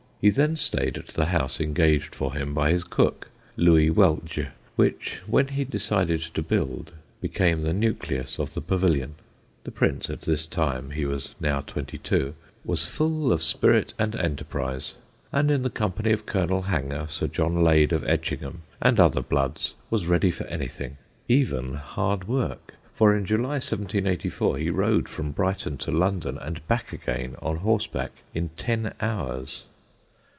He then stayed at the house engaged for him by his cook, Louis Weltje, which, when he decided to build, became the nucleus of the Pavilion. The Prince at this time (he was now twenty two) was full of spirit and enterprise, and in the company of Colonel Hanger, Sir John Lade of Etchingham, and other bloods, was ready for anything: even hard work, for in July 1784 he rode from Brighton to London and back again, on horse back, in ten hours.